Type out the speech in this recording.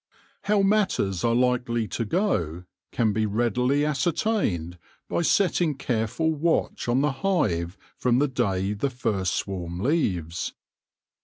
How matters are likely to go can be readily ascer tained by setting careful watch on the hive from the day the first swarm leaves.